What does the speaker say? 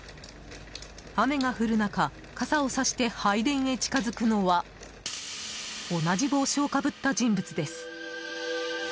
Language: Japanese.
雨が降る中傘をさして拝殿へ近づくのは同じ帽子をかぶった人物です。